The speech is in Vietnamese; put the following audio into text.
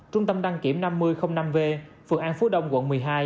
trung tâm đăng kiểm năm mươi năm v phường an phú đông quận một mươi hai